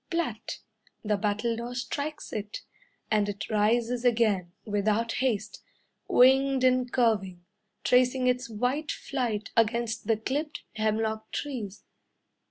Plat! the battledore strikes it, And it rises again, Without haste, Winged and curving, Tracing its white flight Against the clipped hemlock trees.